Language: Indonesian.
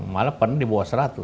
malah pernah dibawah seratus